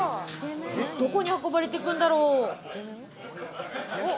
どこに運ばれていくんだろう？